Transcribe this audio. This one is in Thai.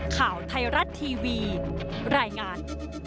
ข่าวไทยรัฐทีวีรายงาน